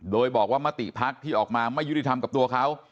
โดยบอกว่ามติภักดิ์ที่ออกมาไม่ยุติธรรมกับตัวเขา